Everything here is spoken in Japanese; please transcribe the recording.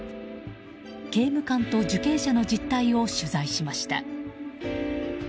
刑務官と受刑者の実態を取材しました。